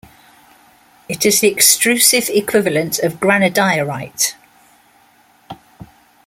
It is the extrusive equivalent of granodiorite.